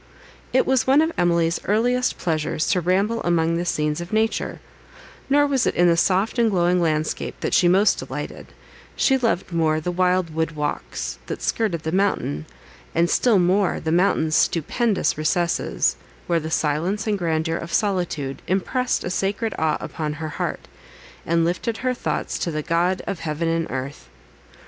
It was one of Emily's earliest pleasures to ramble among the scenes of nature; nor was it in the soft and glowing landscape that she most delighted; she loved more the wild wood walks, that skirted the mountain; and still more the mountain's stupendous recesses, where the silence and grandeur of solitude impressed a sacred awe upon her heart, and lifted her thoughts to the GOD OF HEAVEN AND EARTH.